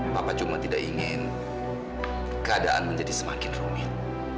bapak cuma tidak ingin keadaan menjadi semakin rumit